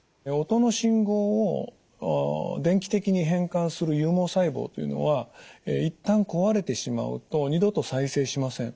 音の信号を電気的に変換する有毛細胞というのは一旦壊れてしまうと二度と再生しません。